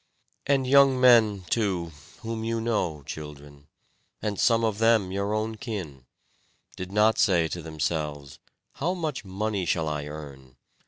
And young men, too, whom you know, children, and some of them of your own kin, did they say to themselves, "How much money shall I earn?"